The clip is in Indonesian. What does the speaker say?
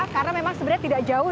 karena memang sebenarnya tidak jauh